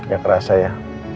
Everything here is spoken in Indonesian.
gak kerasa ya